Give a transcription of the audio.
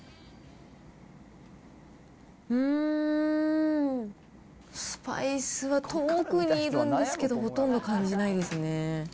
うーん、スパイスが遠くにいるんですけど、ほとんど感じないですね。